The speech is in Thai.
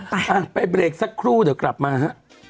อ่ะไปเบรกสักครู่เดี๋ยวกลับมาฮะ